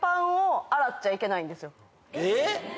えっ？